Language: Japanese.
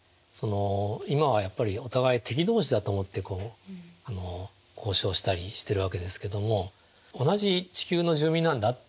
今はやっぱりお互い敵同士だと思って交渉したりしてるわけですけども同じ地球の住民なんだ。